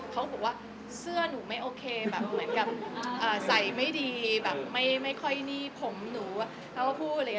เขาก็บอกว่าเสื้อหนูไม่โอเคเหมือนกับใส่ไม่ดีไม่ค่อยนี่ผมหนูแล้วก็พูดเลย